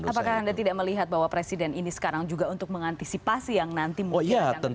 apakah anda tidak melihat bahwa presiden ini sekarang juga untuk mengantisipasi yang nanti mungkin akan terjadi